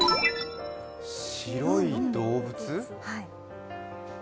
白い動物？